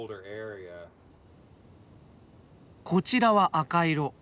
こちらは赤色。